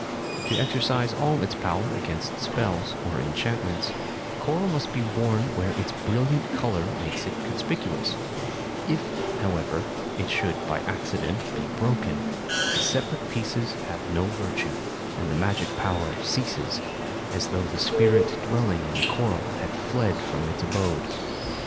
To exercise all its power against spells, or enchantments, coral must be worn where its brilliant color makes it conspicuous; if, however, it should by accident be broken, the separate pieces have no virtue, and the magic power ceases, as though the spirit dwelling in the coral had fled from its abode.